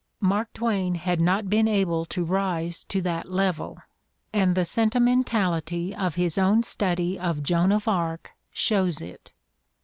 Mark Twain had not been able to rise to that level, and the sentimentality of his own study of Joan of Arc shows it.